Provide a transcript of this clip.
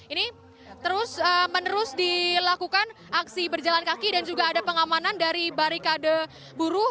ini terus menerus dilakukan aksi berjalan kaki dan juga ada pengamanan dari barikade buruh